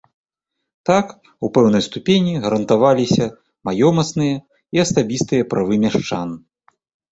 Так, у пэўнай ступені гарантаваліся маёмасныя і асабістыя правы мяшчан.